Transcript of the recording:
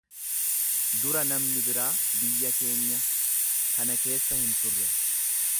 Dura namni biraa biyya keenya kana keessa hin turre.